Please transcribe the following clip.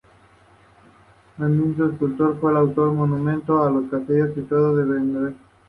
El mismo escultor fue autor del Monumento a los castellers situado en Vendrell.